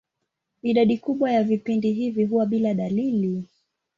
Idadi kubwa ya vipindi hivi huwa bila dalili.